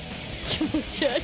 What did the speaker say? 気持ち悪い。